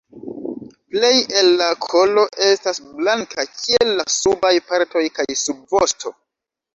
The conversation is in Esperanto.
Plej el la kolo estas blanka, kiel la subaj partoj kaj subvosto.